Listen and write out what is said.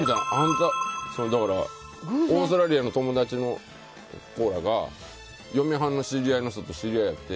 オーストラリアの友達の子らが嫁はんの知り合いの人と知り合いはって。